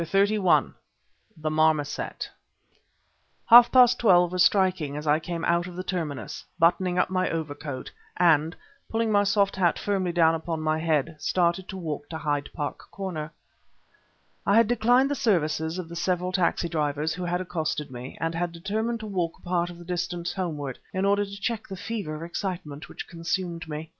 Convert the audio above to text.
CHAPTER XXXI THE MARMOSET Half past twelve was striking as I came out of the terminus, buttoning up my overcoat, and pulling my soft hat firmly down upon my head, started to walk to Hyde Park Corner. I had declined the services of the several taxi drivers who had accosted me and had determined to walk a part of the distance homeward, in order to check the fever of excitement which consumed me.